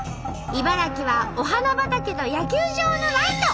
茨城はお花畑と野球場のライト。